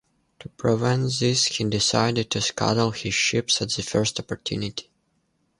To prevent this, he decided to scuttle his ships at the first opportunity.